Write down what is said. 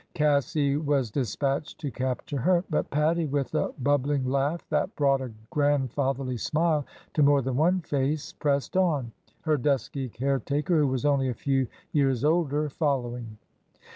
Cassy was despatched to capture her, but Pattie, with a bubbling laugh that brought a grand fatherly smile to more than one face, pressed on,— her dusky caretaker, who was only a few years older, fol lowing.